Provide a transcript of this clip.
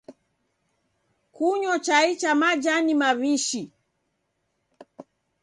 Kunyo chai cha majani maw'ishi.